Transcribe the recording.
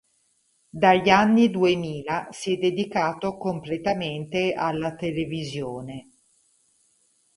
Dagli anni duemila si è dedicato completamente alla televisione.